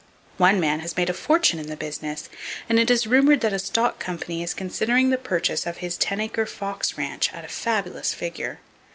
One man has made a fortune in the business, and it is rumored that a stock company is considering the purchase of his ten acre fox ranch at a fabulous figure.